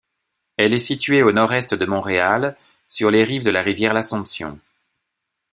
Elle est située au nord-est de Montréal, sur les rives de la rivière L'Assomption.